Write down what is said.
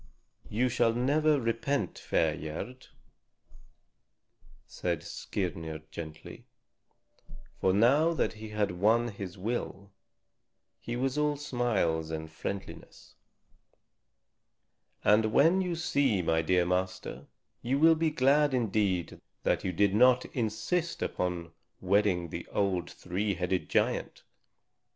"You shall never repent, fair Gerd," said Skirnir gently. For now that he had won his will, he was all smiles and friendliness. "And when you see my dear master, you will be glad indeed that you did not insist upon wedding the old three headed giant.